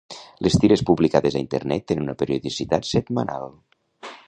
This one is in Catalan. Les tires publicades a internet tenen una periodicitat setmanal.